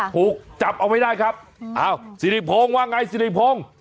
ถูกจับเอาไว้ได้ครับอ้าวสิริพงศ์ว่าไงสิริพงศ์